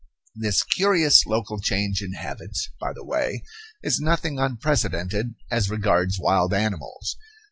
This curious local change in habits, by the way, is nothing unprecedented as regards wild animals.